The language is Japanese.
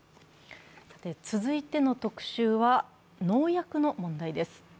続いての特集は農薬の問題です。